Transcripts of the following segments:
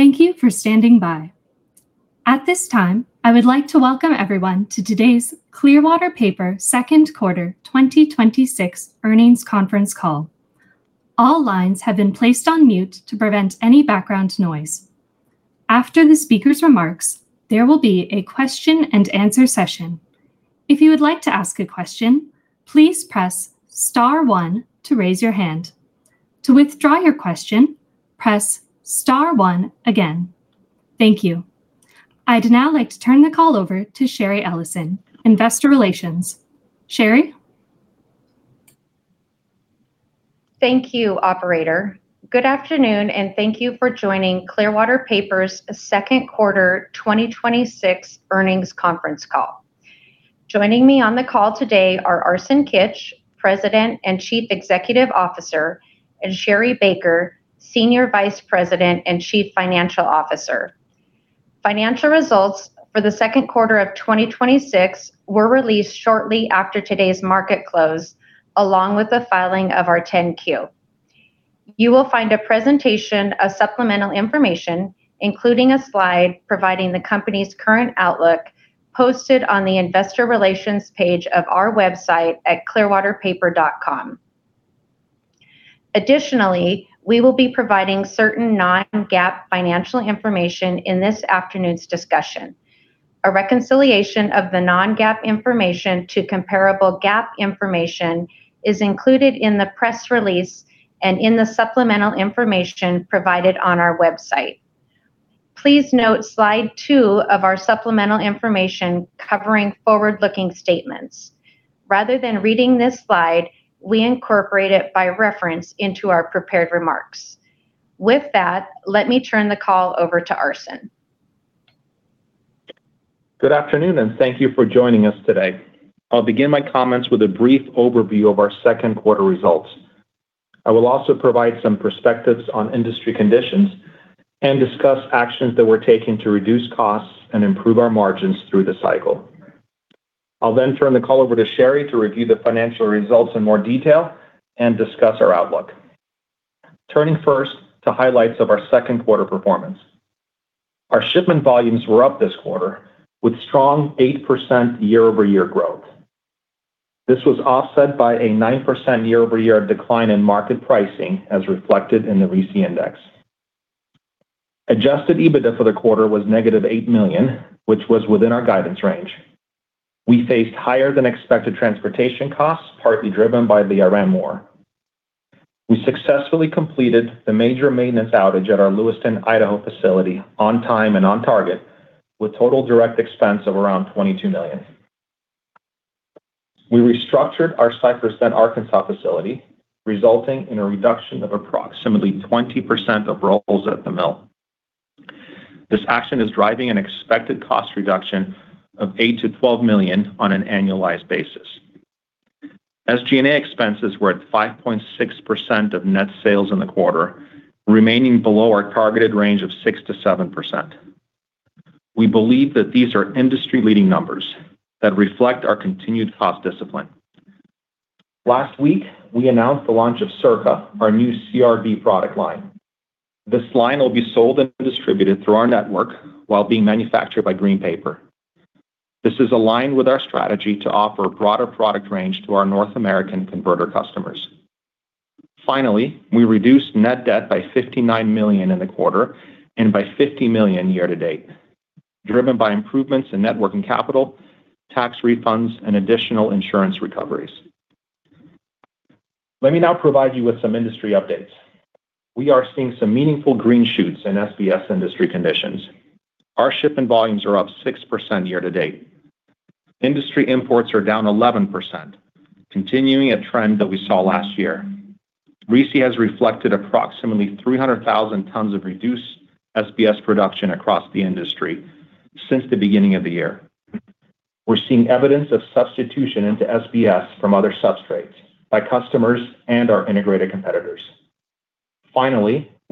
Thank you for standing by. At this time, I would like to welcome everyone to today's Clearwater Paper second quarter 2026 earnings conference call. All lines have been placed on mute to prevent any background noise. After the speaker's remarks, there will be a question and answer session. If you would like to ask a question, please press star one to raise your hand. To withdraw your question, press star one again. Thank you. I'd now like to turn the call over to Cheri Ellison, Investor Relations. Cheri? Thank you, operator. Good afternoon, and thank you for joining Clearwater Paper's second quarter 2026 earnings conference call. Joining me on the call today are Arsen Kitch, President and Chief Executive Officer, and Sherri Baker, Senior Vice President and Chief Financial Officer. Financial results for the second quarter of 2026 were released shortly after today's market close, along with the filing of our 10-Q. You will find a presentation of supplemental information, including a slide providing the company's current outlook, posted on the investor relations page of our website at clearwaterpaper.com. Additionally, we will be providing certain non-GAAP financial information in this afternoon's discussion. A reconciliation of the non-GAAP information to comparable GAAP information is included in the press release and in the supplemental information provided on our website. Please note slide two of our supplemental information covering forward-looking statements. Rather than reading this slide, we incorporate it by reference into our prepared remarks. With that, let me turn the call over to Arsen. Good afternoon, and thank you for joining us today. I'll begin my comments with a brief overview of our second quarter results. I will also provide some perspectives on industry conditions and discuss actions that we're taking to reduce costs and improve our margins through the cycle. I'll then turn the call over to Sherri to review the financial results in more detail and discuss our outlook. Turning first to highlights of our second quarter performance. Our shipment volumes were up this quarter with strong 8% year-over-year growth. This was offset by a 9% year-over-year decline in market pricing, as reflected in the RISI index. Adjusted EBITDA for the quarter was negative $8 million, which was within our guidance range. We faced higher than expected transportation costs, partly driven by the RM war. We successfully completed the major maintenance outage at our Lewiston, Idaho facility on time and on target with total direct expense of around $22 million. We restructured our Cypress Bend Arkansas facility, resulting in a reduction of approximately 20% of roles at the mill. This action is driving an expected cost reduction of $8 million-$12 million on an annualized basis. SG&A expenses were at 5.6% of net sales in the quarter, remaining below our targeted range of 6%-7%. We believe that these are industry-leading numbers that reflect our continued cost discipline. Last week, we announced the launch of Circa, our new CRB product line. This line will be sold and distributed through our network while being manufactured by Green Paper. This is aligned with our strategy to offer a broader product range to our North American converter customers. We reduced net debt by $59 million in the quarter and by $50 million year to date, driven by improvements in net working capital, tax refunds, and additional insurance recoveries. Let me now provide you with some industry updates. We are seeing some meaningful green shoots in SBS industry conditions. Our shipment volumes are up 6% year to date. Industry imports are down 11%, continuing a trend that we saw last year. RISI has reflected approximately 300,000 tons of reduced SBS production across the industry since the beginning of the year. We are seeing evidence of substitution into SBS from other substrates by customers and our integrated competitors.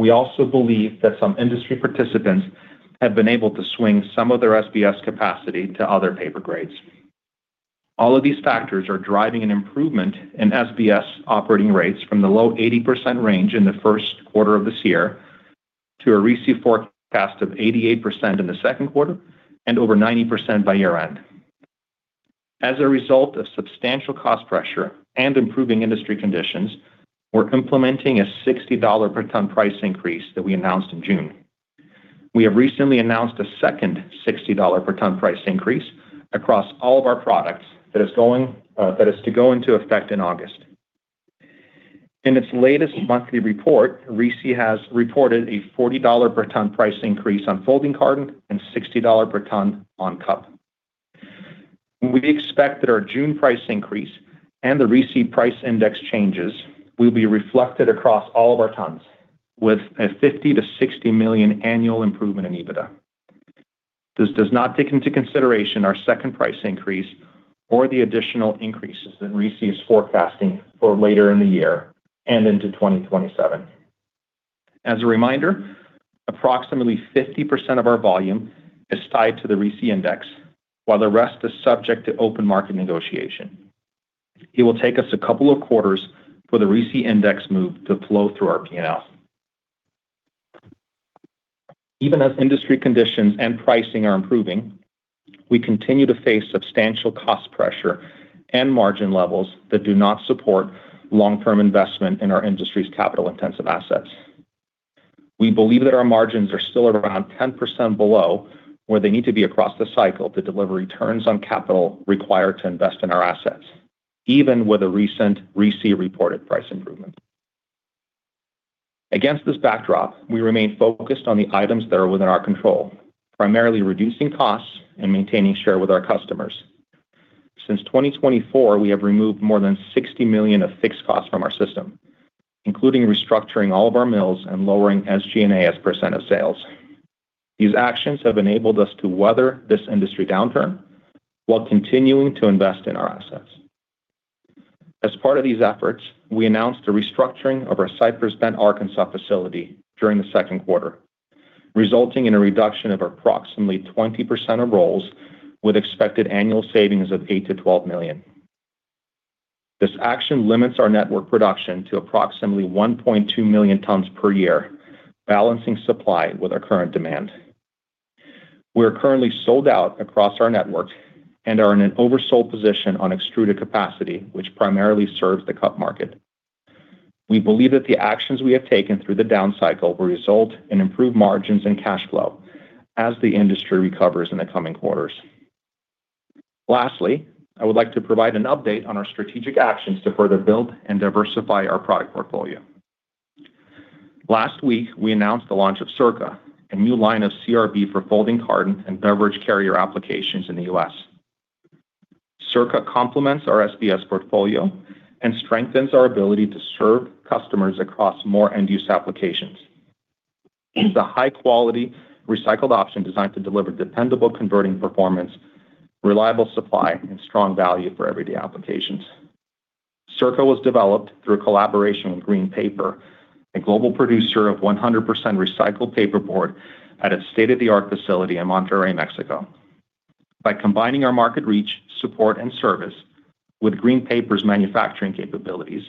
We also believe that some industry participants have been able to swing some of their SBS capacity to other paper grades. All of these factors are driving an improvement in SBS operating rates from the low 80% range in the first quarter of this year to a RISI forecast of 88% in the second quarter and over 90% by year-end. As a result of substantial cost pressure and improving industry conditions, we are implementing a $60 per ton price increase that we announced in June. We have recently announced a second $60 per ton price increase across all of our products that is to go into effect in August. In its latest monthly report, RISI has reported a $40 per ton price increase on folding carton and $60 per ton on cup. We expect that our June price increase and the RISI price index changes will be reflected across all of our tons, with a $50 million-$60 million annual improvement in EBITDA. This does not take into consideration our second price increase or the additional increases that RISI is forecasting for later in the year and into 2027. As a reminder, approximately 50% of our volume is tied to the RISI index, while the rest is subject to open market negotiation. It will take us a couple of quarters for the RISI Index move to flow through our P&L. Even as industry conditions and pricing are improving, we continue to face substantial cost pressure and margin levels that do not support long-term investment in our industry's capital-intensive assets. We believe that our margins are still around 10% below where they need to be across the cycle to deliver returns on capital required to invest in our assets, even with a recent RISI reported price improvement. Against this backdrop, we remain focused on the items that are within our control, primarily reducing costs and maintaining share with our customers. Since 2024, we have removed more than $60 million of fixed costs from our system, including restructuring all of our mills and lowering SG&A as percent of sales. These actions have enabled us to weather this industry downturn while continuing to invest in our assets. As part of these efforts, we announced a restructuring of our Cypress Bend, Arkansas, facility during the second quarter, resulting in a reduction of approximately 20% of roles with expected annual savings of $8 million-$12 million. This action limits our network production to approximately 1.2 million tons per year, balancing supply with our current demand. We are currently sold out across our network and are in an oversold position on extruded capacity, which primarily serves the cup market. We believe that the actions we have taken through the down cycle will result in improved margins and cash flow as the industry recovers in the coming quarters. Lastly, I would like to provide an update on our strategic actions to further build and diversify our product portfolio. Last week, we announced the launch of Circa, a new line of CRB for folding carton and beverage carrier applications in the U.S. Circa complements our SBS portfolio and strengthens our ability to serve customers across more end-use applications. It's a high-quality recycled option designed to deliver dependable converting performance, reliable supply, and strong value for everyday applications. Circa was developed through a collaboration with Green Paper, a global producer of 100% recycled paperboard at a state-of-the-art facility in Monterrey, Mexico. By combining our market reach, support, and service with Green Paper's manufacturing capabilities,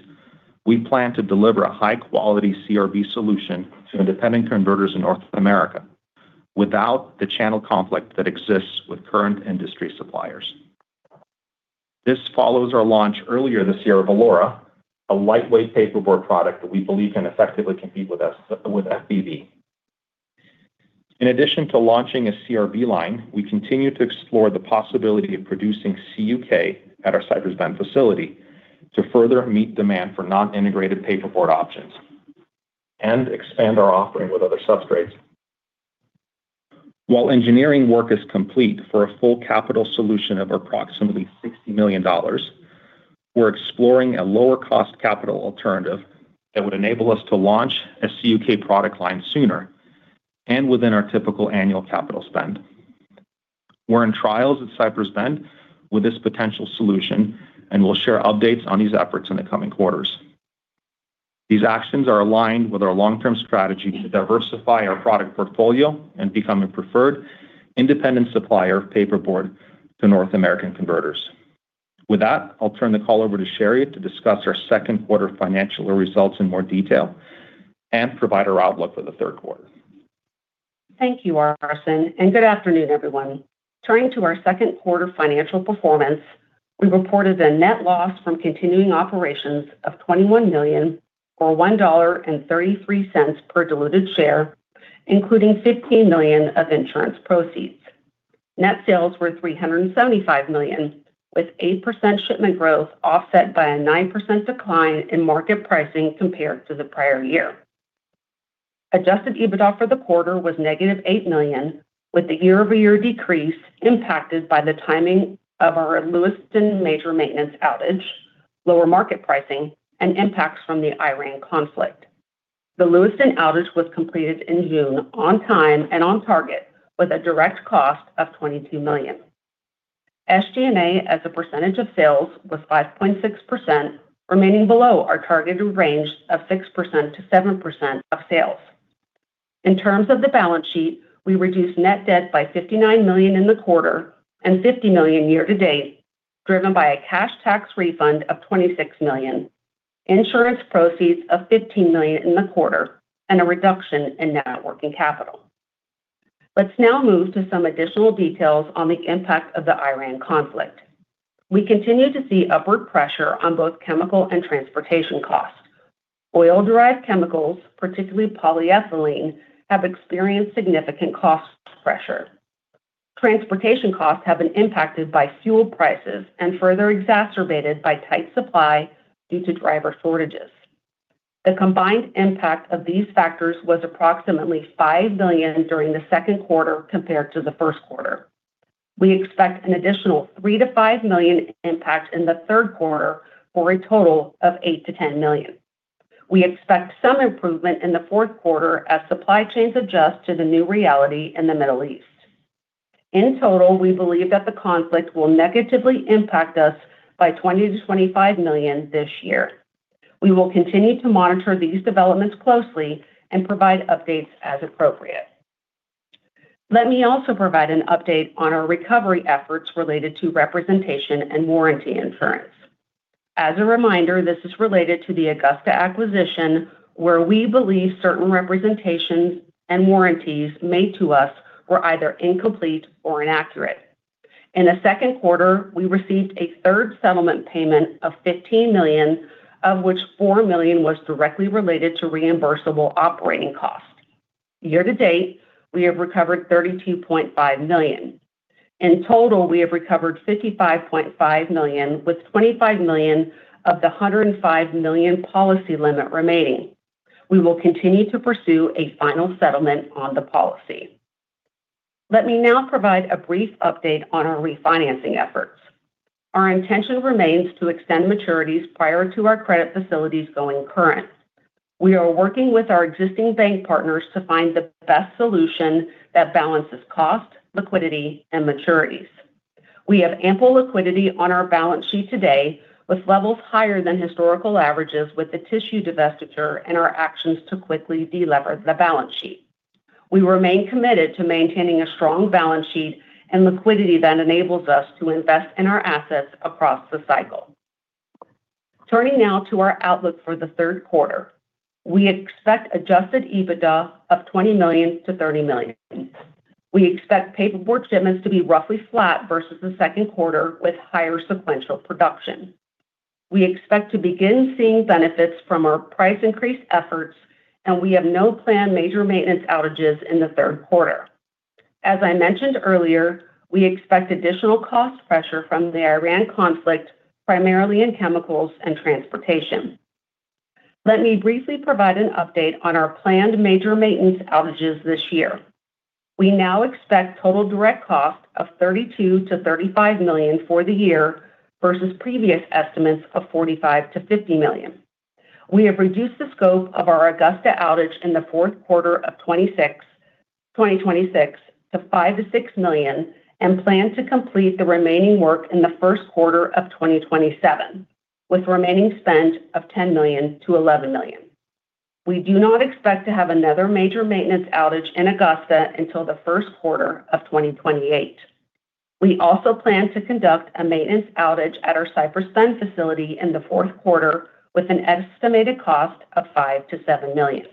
we plan to deliver a high-quality CRB solution to independent converters in North America without the channel conflict that exists with current industry suppliers. This follows our launch earlier this year of Velora, a lightweight paperboard product that we believe can effectively compete with SBS. In addition to launching a CRB line, we continue to explore the possibility of producing CUK at our Cypress Bend facility to further meet demand for non-integrated paperboard options and expand our offering with other substrates. While engineering work is complete for a full capital solution of approximately $60 million, we're exploring a lower-cost capital alternative that would enable us to launch a CUK product line sooner and within our typical annual capital spend. We're in trials at Cypress Bend with this potential solution. We'll share updates on these efforts in the coming quarters. These actions are aligned with our long-term strategy to diversify our product portfolio and become a preferred independent supplier of paperboard to North American converters. With that, I'll turn the call over to Sherri to discuss our second quarter financial results in more detail and provide our outlook for the third quarter. Thank you, Arsen, and good afternoon, everyone. Turning to our second quarter financial performance, we reported a net loss from continuing operations of $21 million, or $1.33 per diluted share, including $15 million of insurance proceeds. Net sales were $375 million, with 8% shipment growth offset by a 9% decline in market pricing compared to the prior year. Adjusted EBITDA for the quarter was negative $8 million, with the year-over-year decrease impacted by the timing of our Lewiston major maintenance outage, lower market pricing, and impacts from the Iran conflict. The Lewiston outage was completed in June on time and on target with a direct cost of $22 million. SG&A as a percentage of sales was 5.6%, remaining below our targeted range of 6%-7% of sales. In terms of the balance sheet, we reduced net debt by $59 million in the quarter and $50 million year-to-date, driven by a cash tax refund of $26 million, insurance proceeds of $15 million in the quarter, and a reduction in net working capital. Let's now move to some additional details on the impact of the Iran conflict. We continue to see upward pressure on both chemical and transportation costs. Oil-derived chemicals, particularly polyethylene, have experienced significant cost pressure. Transportation costs have been impacted by fuel prices and further exacerbated by tight supply due to driver shortages. The combined impact of these factors was approximately $5 million during the second quarter compared to the first quarter. We expect an additional $3 million-$5 million impact in the third quarter, for a total of $8 million-$10 million. We expect some improvement in the fourth quarter as supply chains adjust to the new reality in the Middle East. In total, we believe that the conflict will negatively impact us by $20 million-$25 million this year. We will continue to monitor these developments closely and provide updates as appropriate. Let me also provide an update on our recovery efforts related to representation and warranty insurance. As a reminder, this is related to the Augusta acquisition, where we believe certain representations and warranties made to us were either incomplete or inaccurate. In the second quarter, we received a third settlement payment of $15 million, of which $4 million was directly related to reimbursable operating costs. Year-to-date, we have recovered $32.5 million. In total, we have recovered $55.5 million with $25 million of the $105 million policy limit remaining. We will continue to pursue a final settlement on the policy. Let me now provide a brief update on our refinancing efforts. Our intention remains to extend maturities prior to our credit facilities going current. We are working with our existing bank partners to find the best solution that balances cost, liquidity, and maturities. We have ample liquidity on our balance sheet today, with levels higher than historical averages with the tissue divestiture and our actions to quickly delever the balance sheet. We remain committed to maintaining a strong balance sheet and liquidity that enables us to invest in our assets across the cycle. Turning now to our outlook for the third quarter. We expect adjusted EBITDA of $20 million-$30 million. We expect paperboard shipments to be roughly flat versus the second quarter, with higher sequential production. We expect to begin seeing benefits from our price increase efforts. We have no planned major maintenance outages in the third quarter. As I mentioned earlier, we expect additional cost pressure from the Iran conflict, primarily in chemicals and transportation. Let me briefly provide an update on our planned major maintenance outages this year. We now expect total direct costs of $32 million-$35 million for the year versus previous estimates of $45 million-$50 million. We have reduced the scope of our Augusta outage in the fourth quarter of 2026 to $5 million-$6 million and plan to complete the remaining work in the first quarter of 2027, with remaining spend of $10 million-$11 million. We do not expect to have another major maintenance outage in Augusta until the first quarter of 2028. We also plan to conduct a maintenance outage at our Cypress Bend facility in the fourth quarter, with an estimated cost of $5 million-$7 million.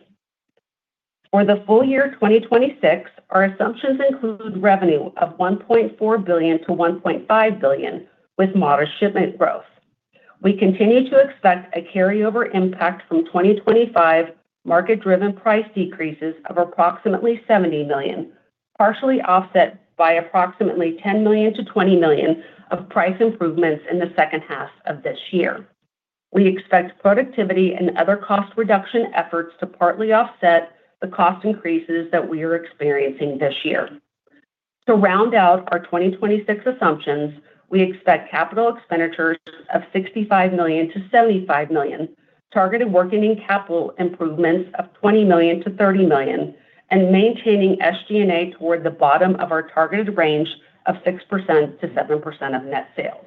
For the full year 2026, our assumptions include revenue of $1.4 billion-$1.5 billion, with moderate shipment growth. We continue to expect a carryover impact from 2025 market-driven price decreases of approximately $70 million, partially offset by approximately $10 million-$20 million of price improvements in the second half of this year. We expect productivity and other cost reduction efforts to partly offset the cost increases that we are experiencing this year. To round out our 2026 assumptions, we expect capital expenditures of $65 million-$75 million, targeted working capital improvements of $20 million-$30 million, and maintaining SG&A toward the bottom of our targeted range of 6%-7% of net sales.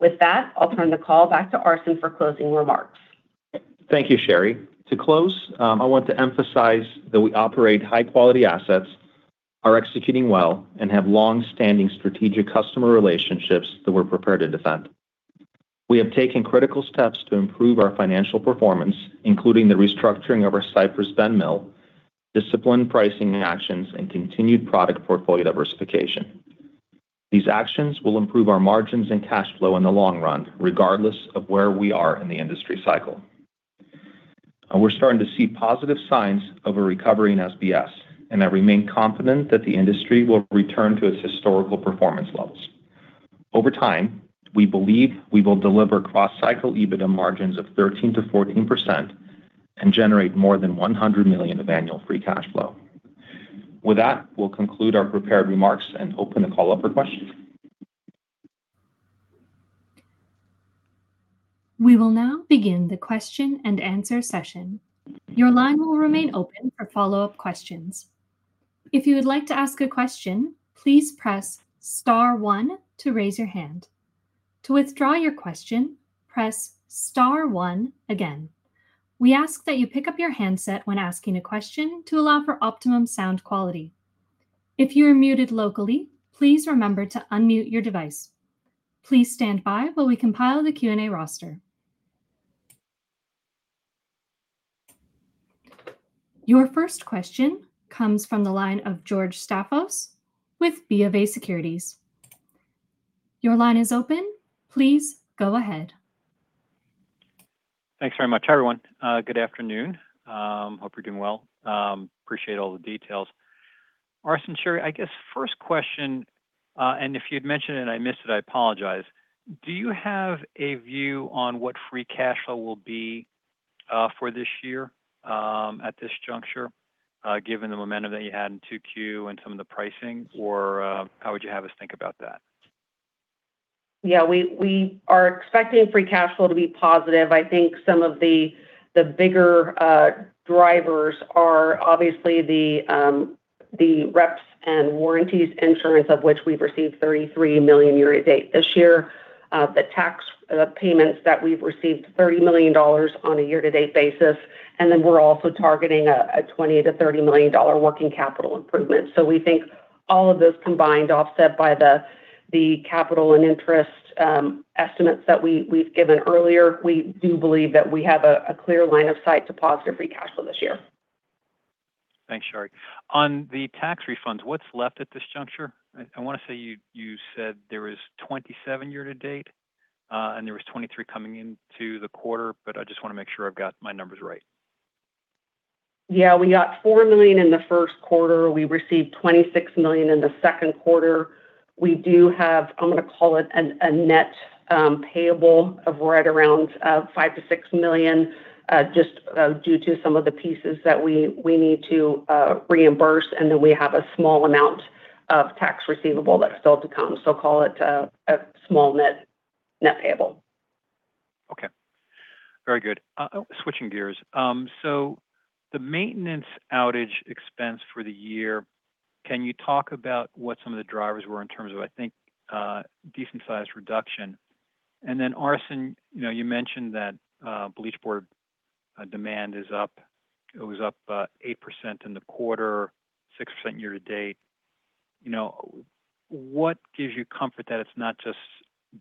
With that, I'll turn the call back to Arsen for closing remarks. Thank you, Sherri. To close, I want to emphasize that we operate high-quality assets, are executing well, and have longstanding strategic customer relationships that we're prepared to defend. We have taken critical steps to improve our financial performance, including the restructuring of our Cypress Bend mill, disciplined pricing actions, and continued product portfolio diversification. These actions will improve our margins and cash flow in the long run, regardless of where we are in the industry cycle. We're starting to see positive signs of a recovery in SBS, and I remain confident that the industry will return to its historical performance levels. Over time, we believe we will deliver cross-cycle EBITDA margins of 13%-14% and generate more than $100 million of annual free cash flow. With that, we'll conclude our prepared remarks and open the call up for questions. We will now begin the question and answer session. Your line will remain open for follow-up questions. If you would like to ask a question, please press star one to raise your hand. To withdraw your question, press star one again. We ask that you pick up your handset when asking a question to allow for optimum sound quality. If you are muted locally, please remember to unmute your device. Please stand by while we compile the Q&A roster. Your first question comes from the line of George Staphos with BofA Securities. Your line is open. Please go ahead. Thanks very much, everyone. Good afternoon. Hope you're doing well. Appreciate all the details. Arsen, Sherri, I guess first question, if you'd mentioned it and I missed it, I apologize. Do you have a view on what free cash flow will be for this year at this juncture, given the momentum that you had in 2Q and some of the pricing? How would you have us think about that? Yeah. We are expecting free cash flow to be positive. I think some of the bigger drivers are obviously the reps and warranties insurance, of which we've received $33 million year-to-date this year. The tax payments that we've received, $30 million on a year-to-date basis, we're also targeting a $20 million-$30 million working capital improvement. We think all of those combined, offset by the capital and interest estimates that we've given earlier, we do believe that we have a clear line of sight to positive free cash flow this year. Thanks, Sherri. On the tax refunds, what's left at this juncture? I want to say you said there was $27 year-to-date, there was $23 coming into the quarter, I just want to make sure I've got my numbers right. Yeah. We got $4 million in the first quarter. We received $26 million in the second quarter. We do have, I'm going to call it a net payable of right around $5 million-$6 million, just due to some of the pieces that we need to reimburse. We have a small amount of tax receivable that's still to come. Call it a small net payable. Okay. Very good. Switching gears. The maintenance outage expense for the year, can you talk about what some of the drivers were in terms of, I think, a decent size reduction? Arsen, you mentioned that bleach board demand is up. It was up 8% in the quarter, 6% year-to-date. What gives you comfort that it's not just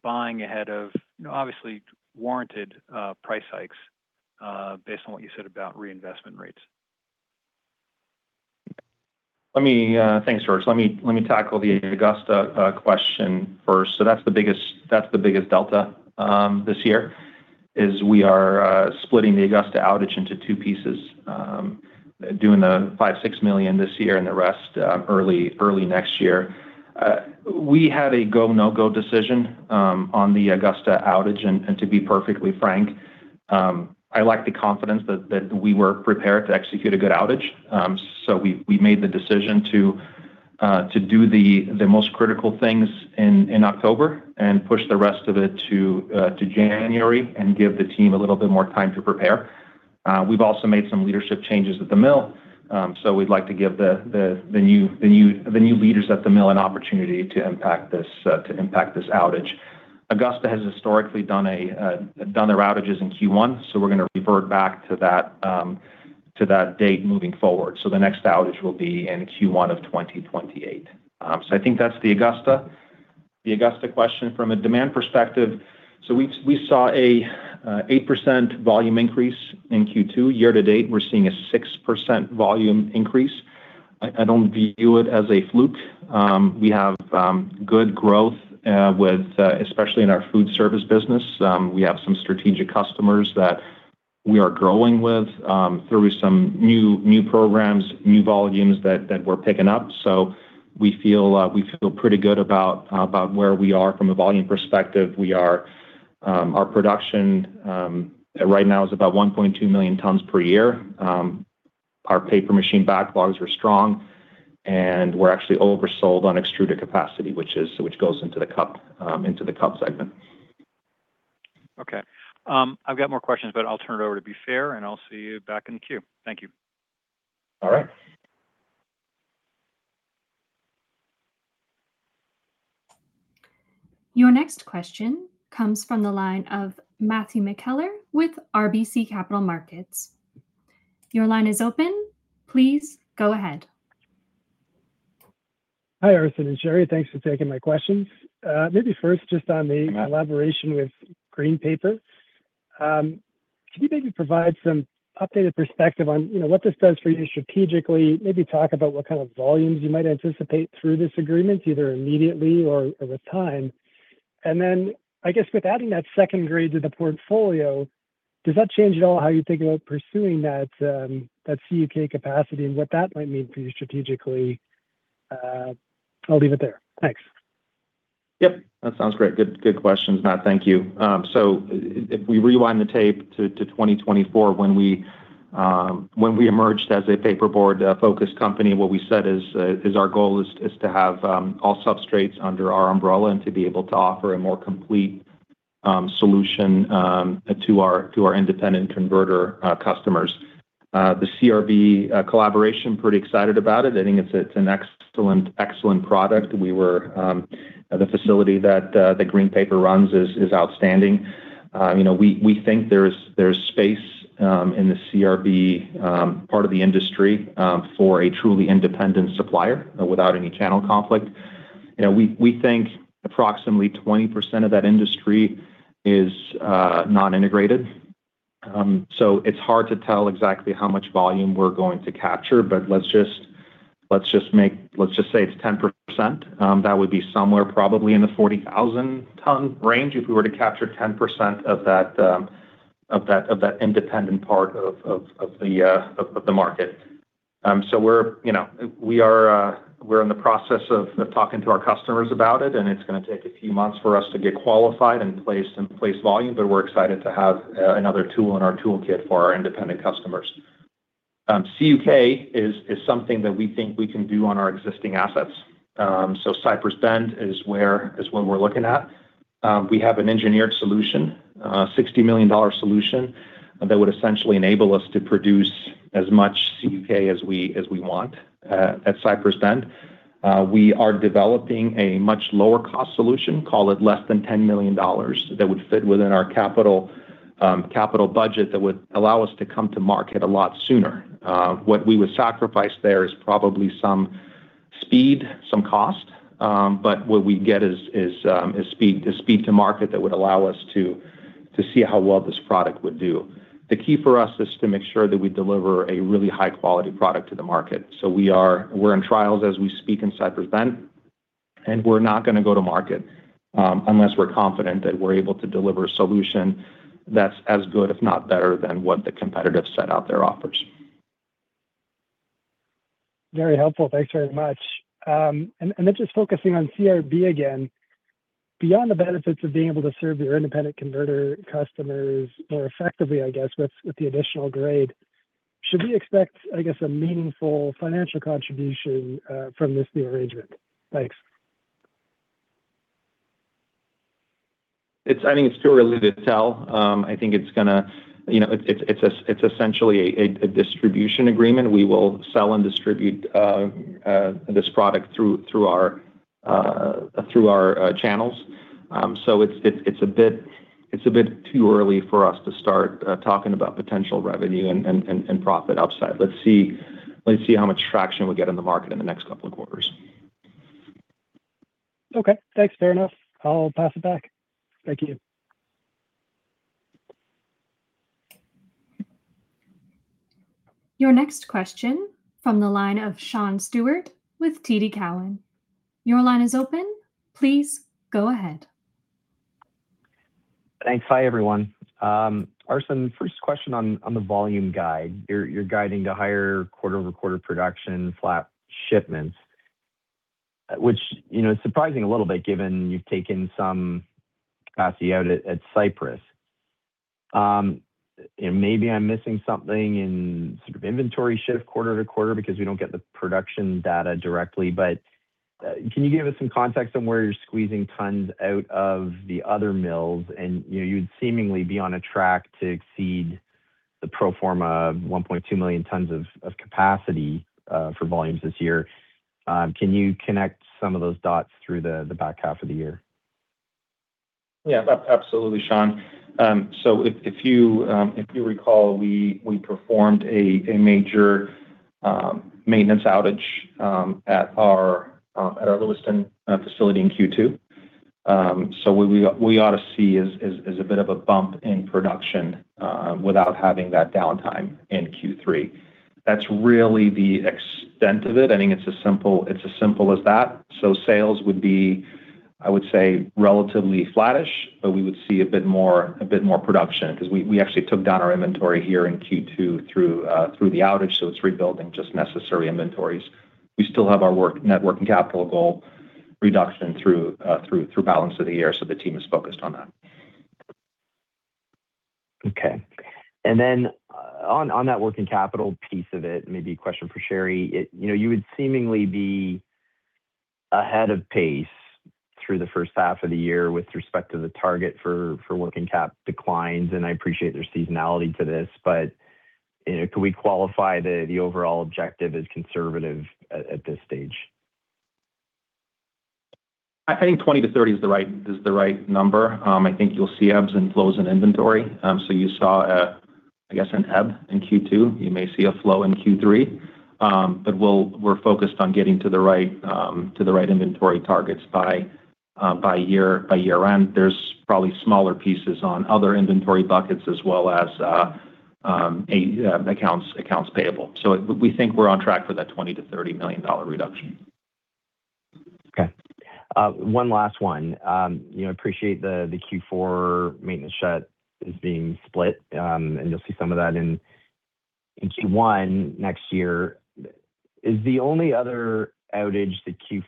buying ahead of obviously warranted price hikes based on what you said about reinvestment rates? Thanks, George. Let me tackle the Augusta question first. That's the biggest delta this year is we are splitting the Augusta outage into two pieces, doing the $5 million-$6 million this year and the rest early next year. We had a go, no-go decision on the Augusta outage, and to be perfectly frank, I like the confidence that we were prepared to execute a good outage. We made the decision to do the most critical things in October and push the rest of it to January and give the team a little bit more time to prepare. We've also made some leadership changes at the mill, so we'd like to give the new leaders at the mill an opportunity to impact this outage. Augusta has historically done their outages in Q1, so we're going to revert back to that date moving forward. The next outage will be in Q1 of 2028. I think that's the Augusta question. From a demand perspective, we saw an 8% volume increase in Q2. Year-to-date, we're seeing a 6% volume increase. I don't view it as a fluke. We have good growth, especially in our food service business. We have some strategic customers that we are growing with through some new programs, new volumes that we're picking up. We feel pretty good about where we are from a volume perspective. Our production right now is about 1.2 million tons per year. Our paper machine backlogs were strong, and we're actually oversold on extruder capacity, which goes into the cup segment. Okay. I've got more questions. I'll turn it over to be fair. I'll see you back in the queue. Thank you. All right. Your next question comes from the line of Matt McKellar with RBC Capital Markets. Your line is open. Please go ahead. Hi, Arsen and Sherri. Thanks for taking my questions. Maybe first, just on the collaboration with Green Paper. Can you maybe provide some updated perspective on what this does for you strategically, maybe talk about what kind of volumes you might anticipate through this agreement, either immediately or with time? Then I guess with adding that second grade to the portfolio, does that change at all how you think about pursuing that CUK capacity and what that might mean for you strategically? I'll leave it there. Thanks. Yep. That sounds great. Good questions, Matt. Thank you. If we rewind the tape to 2024, when we emerged as a paper board-focused company, what we said is our goal is to have all substrates under our umbrella and to be able to offer a more complete solution to our independent converter customers. The CRB collaboration, pretty excited about it. I think it's an excellent product. The facility that Green Paper runs is outstanding. We think there's space in the CRB part of the industry for a truly independent supplier without any channel conflict. We think approximately 20% of that industry is non-integrated. It's hard to tell exactly how much volume we're going to capture, but let's just say it's 10%. That would be somewhere probably in the 40,000-ton range if we were to capture 10% of that independent part of the market. We're in the process of talking to our customers about it, and it's going to take a few months for us to get qualified and place volume. We're excited to have another tool in our toolkit for our independent customers. CUK is something that we think we can do on our existing assets. Cypress Bend is one we're looking at. We have an engineered solution, a $60 million solution that would essentially enable us to produce as much CUK as we want at Cypress Bend. We are developing a much lower cost solution, call it less than $10 million, that would fit within our capital budget that would allow us to come to market a lot sooner. What we would sacrifice there is probably some speed, some cost, but what we'd get is speed to market that would allow us to see how well this product would do. The key for us is to make sure that we deliver a really high-quality product to the market. We're in trials as we speak in Cypress Bend, and we're not going to go to market unless we're confident that we're able to deliver a solution that's as good if not better than what the competitive set out there offers. Very helpful. Thanks very much. Then just focusing on CRB again, beyond the benefits of being able to serve your independent converter customers more effectively, I guess, with the additional grade, should we expect, I guess, a meaningful financial contribution from this new arrangement? Thanks. I think it's too early to tell. I think it's essentially a distribution agreement. We will sell and distribute this product through our channels. It's a bit too early for us to start talking about potential revenue and profit upside. Let's see how much traction we get in the market in the next couple of quarters. Okay, thanks. Fair enough. I'll pass it back. Thank you. Your next question from the line of Sean Stewart with TD Cowen. Your line is open. Please go ahead. Thanks. Hi, everyone. Arsen, first question on the volume guide. You're guiding to higher quarter-over-quarter production flat shipments, which is surprising a little bit given you've taken some capacity out at Cypress. Maybe I'm missing something in sort of inventory shift quarter-to-quarter because we don't get the production data directly. Can you give us some context on where you're squeezing tons out of the other mills? You'd seemingly be on a track to exceed the pro forma of 1.2 million tons of capacity for volumes this year. Can you connect some of those dots through the back half of the year? Yeah. Absolutely, Sean. If you recall, we performed a major maintenance outage at our Lewiston facility in Q2. What we ought to see is a bit of a bump in production without having that downtime in Q3. That's really the extent of it. I think it's as simple as that. Sales would be, I would say, relatively flattish, but we would see a bit more production because we actually took down our inventory here in Q2 through the outage, so it's rebuilding just necessary inventories. We still have our net working capital goal reduction through balance of the year, so the team is focused on that. Okay. Then on that working capital piece of it, maybe a question for Sherri. You would seemingly be ahead of pace through the first half of the year with respect to the target for working cap declines, and I appreciate there's seasonality to this. Could we qualify the overall objective as conservative at this stage? I think 20 to 30 is the right number. I think you'll see ebbs and flows in inventory. You saw, I guess, an ebb in Q2. You may see a flow in Q3. We're focused on getting to the right inventory targets by year-end. There's probably smaller pieces on other inventory buckets as well as accounts payable. We think we're on track for that $20 million-$30 million reduction. Okay. One last one. Appreciate the Q4 maintenance shut is being split, and you'll see some of that in Q1 next year. Is the only other outage the Q4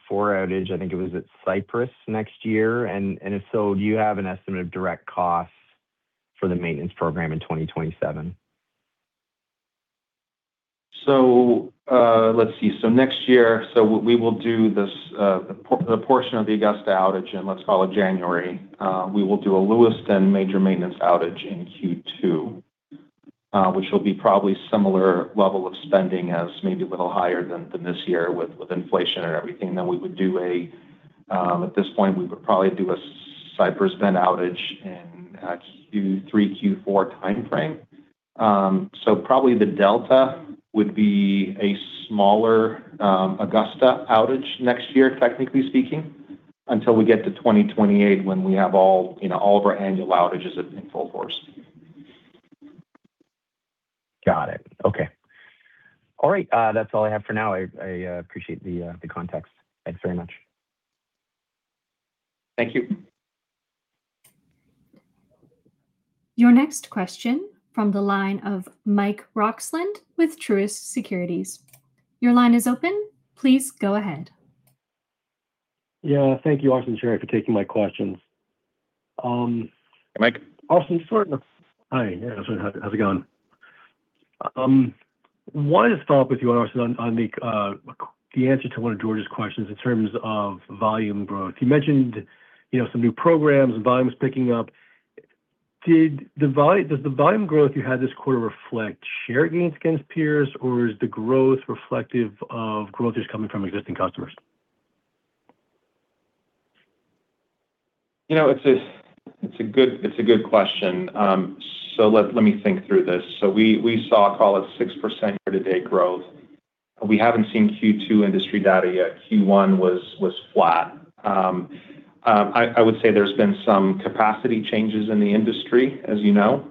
outage, I think it was at Cypress, next year? If so, do you have an estimate of direct costs for the maintenance program in 2027? Let's see. Next year, we will do the portion of the Augusta outage in, let's call it January. We will do a Lewiston major maintenance outage in Q2 which will be probably similar level of spending as maybe a little higher than this year with inflation and everything. At this point, we would probably do a Cypress Bend outage in a Q3, Q4 timeframe. Probably the delta would be a smaller Augusta outage next year, technically speaking, until we get to 2028, when we have all of our annual outages in full force. Got it. Okay. All right. That's all I have for now. I appreciate the context. Thanks very much. Thank you. Your next question from the line of Mike Roxland with Truist Securities. Your line is open. Please go ahead. Thank you, Arsen and Sherri, for taking my questions. Mike. Arsen [how's it going?]. Hi, Arsen. How's it going? Wanted to follow up with you on, Arsen, on the answer to one of George's questions in terms of volume growth. You mentioned some new programs and volumes picking up. Does the volume growth you had this quarter reflect share gains against peers, or is the growth reflective of growth that's coming from existing customers? It's a good question. Let me think through this. We saw call it 6% year-to-date growth. We haven't seen Q2 industry data yet. Q1 was flat. I would say there's been some capacity changes in the industry, as you know.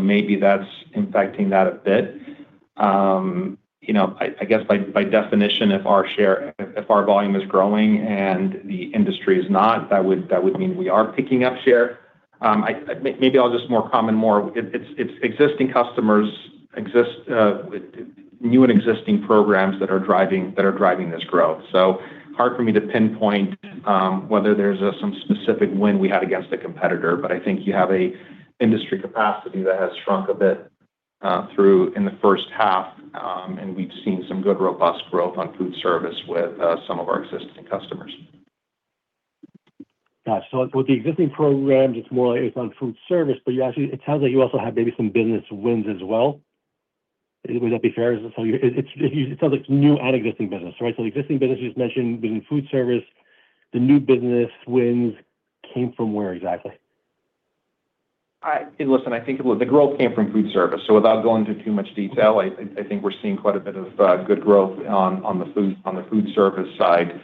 Maybe that's impacting that a bit. I guess by definition, if our volume is growing and the industry is not, that would mean we are picking up share. Maybe I'll just comment more. It's existing customers, new and existing programs that are driving this growth. Hard for me to pinpoint whether there's some specific win we had against a competitor, but I think you have an industry capacity that has shrunk a bit through in the first half. We've seen some good, robust growth on food service with some of our existing customers. Got you. With the existing programs, it's more on food service, but actually it sounds like you also have maybe some business wins as well. Would that be fair? It sounds like new and existing business, right? The existing business you just mentioned being food service, the new business wins came from where exactly? Listen, I think the growth came from food service. Without going into too much detail, I think we're seeing quite a bit of good growth on the food service side.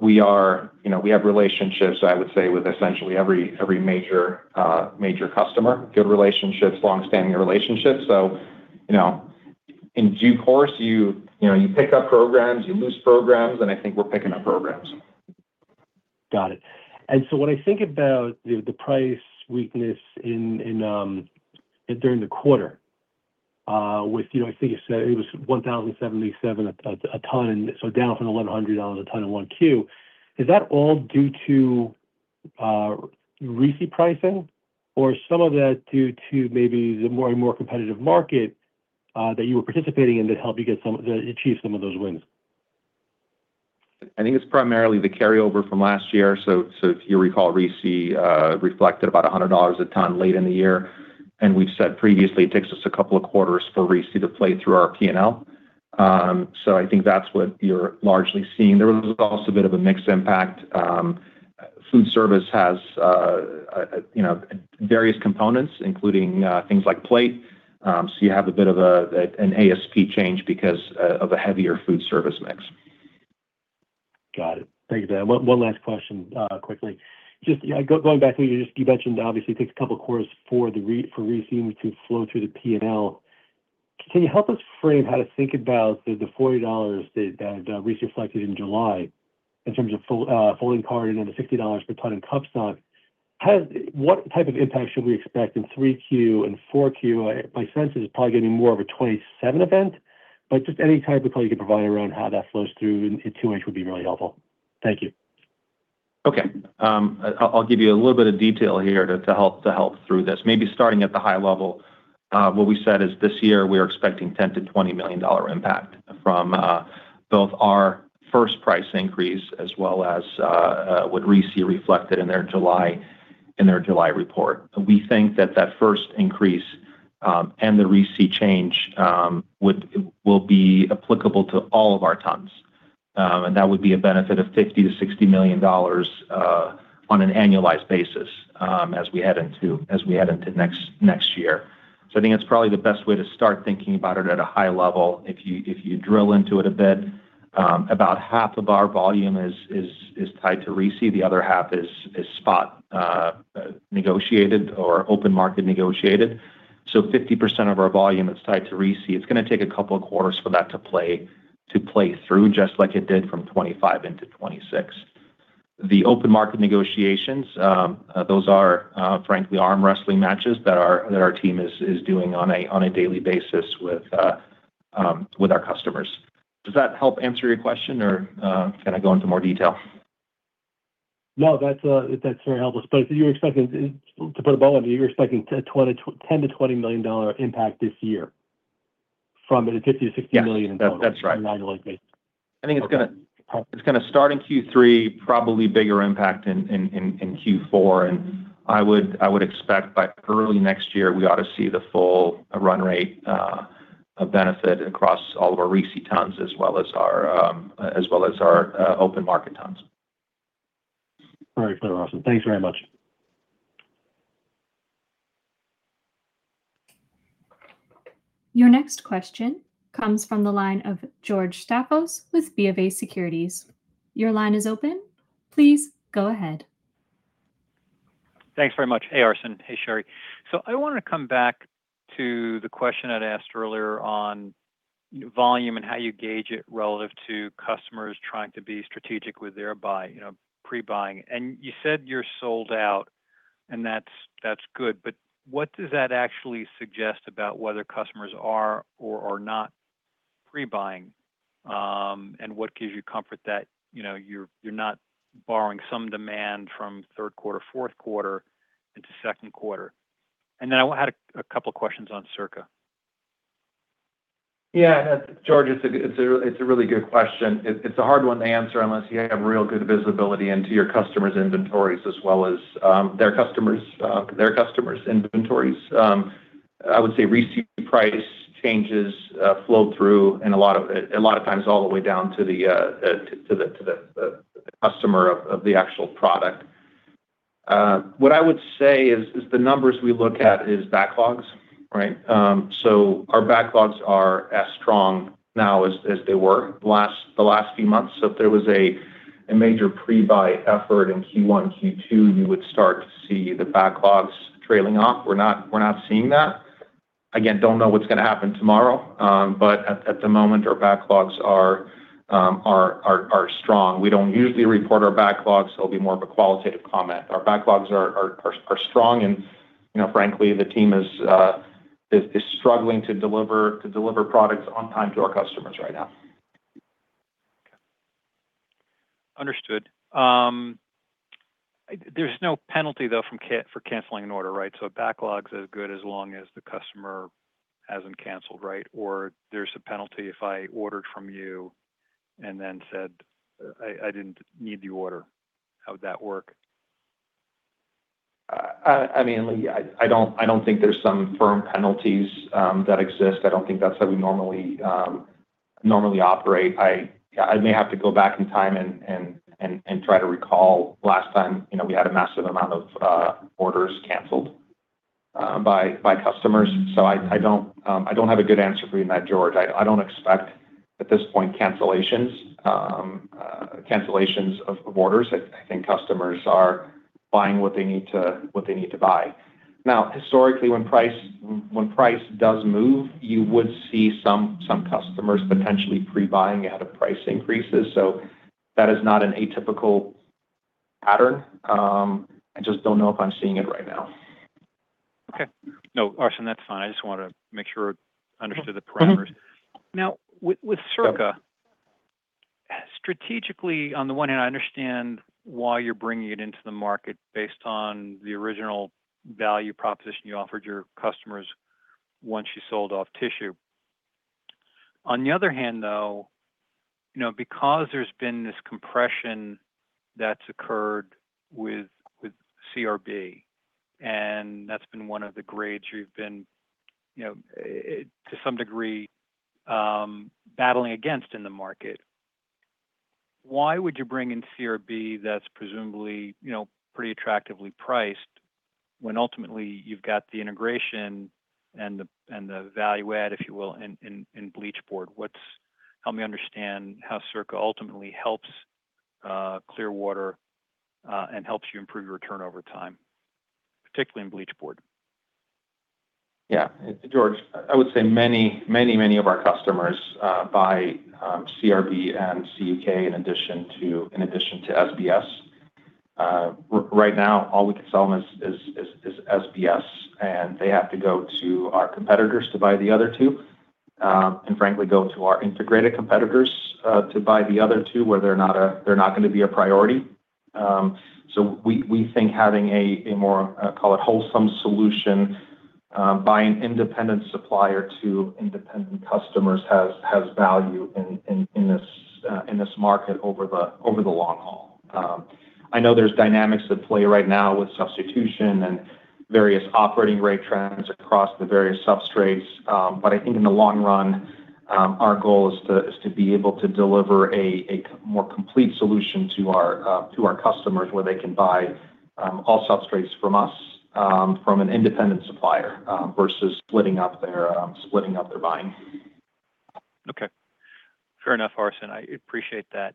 We have relationships, I would say, with essentially every major customer. Good relationships, longstanding relationships. In due course, you pick up programs, you lose programs, and I think we're picking up programs. Got it. When I think about the price weakness during the quarter with, I think you said it was $1,077 a ton, down from the $1,100 a ton in 1Q. Is that all due to RISI pricing or some of that due to maybe the more and more competitive market that you were participating in that helped you achieve some of those wins? I think it's primarily the carryover from last year. If you recall, RISI reflected about $100 a ton late in the year, and we've said previously it takes us a couple of quarters for RISI to play through our P&L. I think that's what you're largely seeing. There was also a bit of a mix impact. Food service has various components, including things like plate. You have a bit of an ASP change because of a heavier food service mix. Got it. Thank you for that. One last question quickly. Just going back, you mentioned, obviously it takes a couple of quarters for RISI to flow through the P&L. Can you help us frame how to think about the $40 that RISI reflected in July in terms of folding card and then the $60 per ton in cup stock? What type of impact should we expect in 3Q and 4Q? My sense is it's probably going to be more of a 2027 event, just any type of color you can provide around how that flows through into 2H would be really helpful. Thank you. Okay. I'll give you a little bit of detail here to help through this. Maybe starting at the high level, what we said is this year we are expecting $10 million-$20 million impact from both our first price increase as well as what RISI reflected in their July report. We think that that first increase and the RISI change will be applicable to all of our tons. That would be a benefit of $50 million-$60 million on an annualized basis as we head into next year. I think that's probably the best way to start thinking about it at a high level. If you drill into it a bit, about half of our volume is tied to RISI. The other half is spot negotiated or open market negotiated. 50% of our volume is tied to RISI. It's going to take a couple of quarters for that to play through, just like it did from 2025 into 2026. The open market negotiations, those are frankly arm wrestling matches that our team is doing on a daily basis with our customers. Does that help answer your question or can I go into more detail? No, that's very helpful. To put a bow on it, you're expecting a $10 million-$20 million impact this year from the $50 million-$60 million in total. Yeah. That's right. on an annualized basis. I think it's going to start in Q3, probably bigger impact in Q4, and I would expect by early next year, we ought to see the full run rate of benefit across all of our RISI tons as well as our open market tons. Very clear. Awesome. Thanks very much. Your next question comes from the line of George Staphos with BofA Securities. Your line is open. Please go ahead. Thanks very much. Hey, Arsen. Hey, Sherri. I wanted to come back to the question I'd asked earlier on volume and how you gauge it relative to customers trying to be strategic with their pre-buying. You said you're sold out, and that's good. What does that actually suggest about whether customers are or are not pre-buying? What gives you comfort that you're not borrowing some demand from third quarter, fourth quarter into second quarter? I had a couple questions on Circa. Yeah. George, it's a really good question. It's a hard one to answer unless you have real good visibility into your customers' inventories as well as their customers' inventories. I would say receipt price changes flow through in a lot of times all the way down to the customer of the actual product. What I would say is the numbers we look at is backlogs, right? Our backlogs are as strong now as they were the last few months. If there was a major pre-buy effort in Q1, Q2, you would start to see the backlogs trailing off. We're not seeing that. Again, don't know what's going to happen tomorrow. At the moment, our backlogs are strong. We don't usually report our backlogs. It'll be more of a qualitative comment. Our backlogs are strong, frankly, the team is struggling to deliver products on time to our customers right now. Okay. Understood. There's no penalty, though, for canceling an order, right? Backlogs are good as long as the customer hasn't canceled, right? There's a penalty if I ordered from you and then said I didn't need the order. How would that work? I don't think there's some firm penalties that exist. I don't think that's how we normally operate. I may have to go back in time and try to recall last time we had a massive amount of orders canceled by customers. I don't have a good answer for you on that, George. I don't expect, at this point, cancellations of orders. I think customers are buying what they need to buy. Historically, when price does move, you would see some customers potentially pre-buying ahead of price increases. That is not an atypical pattern. I just don't know if I'm seeing it right now. Okay. No, Arsen, that's fine. I just wanted to make sure I understood the parameters. With Circa, strategically, on the one hand, I understand why you're bringing it into the market based on the original value proposition you offered your customers once you sold off tissue. Because there's been this compression that's occurred with CRB, and that's been one of the grades you've been, to some degree, battling against in the market. Why would you bring in CRB that's presumably pretty attractively priced, when ultimately you've got the integration and the value add, if you will, in bleach board? Help me understand how Circa ultimately helps Clearwater and helps you improve your return over time, particularly in bleach board. Yeah. George, I would say many, many of our customers buy CRB and CUK in addition to SBS. Right now, all we can sell them is SBS, and they have to go to our competitors to buy the other two, and frankly, go to our integrated competitors to buy the other two, where they're not going to be a priority. We think having a more, call it, wholesome solution by an independent supplier to independent customers has value in this market over the long haul. I know there's dynamics at play right now with substitution and various operating rate trends across the various substrates. I think in the long run, our goal is to be able to deliver a more complete solution to our customers where they can buy all substrates from us, from an independent supplier, versus splitting up their buying. Okay. Fair enough, Arsen. I appreciate that.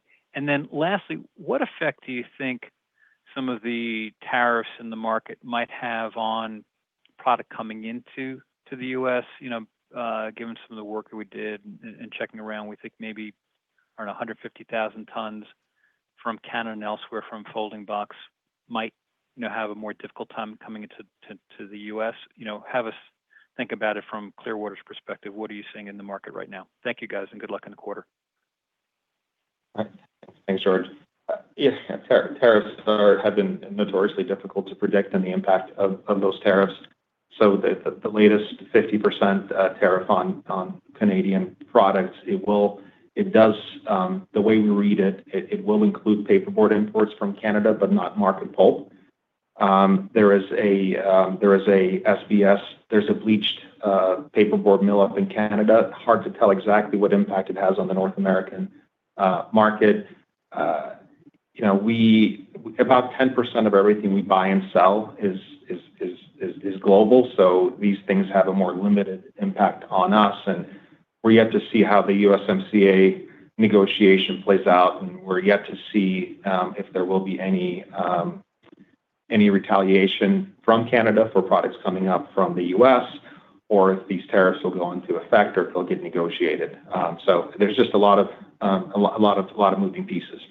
Lastly, what effect do you think some of the tariffs in the market might have on product coming into the U.S.? Given some of the work that we did and checking around, we think maybe around 150,000 tons from Canada and elsewhere from folding box might have a more difficult time coming into the U.S. Have us think about it from Clearwater's perspective. What are you seeing in the market right now? Thank you, guys, and good luck in the quarter. Thanks, George. Yeah. Tariffs have been notoriously difficult to predict on the impact of those tariffs. The latest 50% tariff on Canadian products, the way we read it will include paperboard imports from Canada, but not market pulp. There is a SBS, there's a bleached paperboard mill up in Canada. Hard to tell exactly what impact it has on the North American market. About 10% of everything we buy and sell is global. These things have a more limited impact on us, and we're yet to see how the USMCA negotiation plays out, and we're yet to see if there will be any retaliation from Canada for products coming up from the U.S. or if these tariffs will go into effect or if they'll get negotiated. There's just a lot of moving pieces.